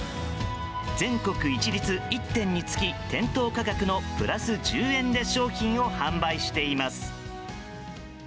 全国一律１点につき店頭価格のプラス１０円で商品を販売しています。